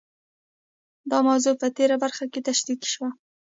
دا موضوع په تېره برخه کې تشرېح شوه.